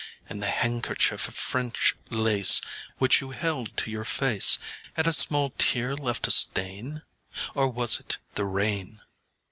And the handkerchief of French lace Which you held to your faceâ Had a small tear left a stain? Or was it the rain?